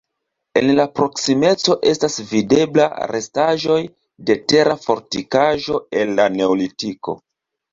En la proksimeco estas videbla restaĵoj de tera fortikaĵo el la neolitiko.